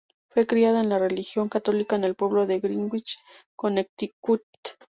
Fue criada en la religión católica en el pueblo de Greenwich, Connecticut.